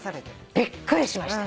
びっくりしました。